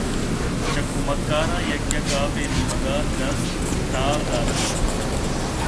چہ کمکاراں یکے ءَ کاف ءِنیمگءَ دست ٹال دات اَنت